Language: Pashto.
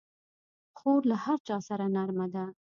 خور له هر چا سره نرمه ده.